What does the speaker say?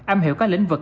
âm hiểu các lĩnh vực